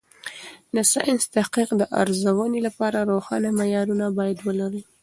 د ساینسي تحقیق د ارزونې لپاره روښانه معیارونه باید ولري.